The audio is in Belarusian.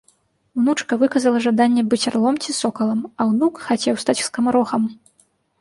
Унучка выказала жаданне быць арлом ці сокалам, а ўнук хацеў стаць скамарохам.